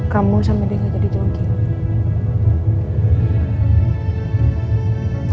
kamu sampai dia gak jadi jogging